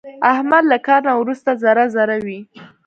احمد له کار نه ورسته ذره ذره وي.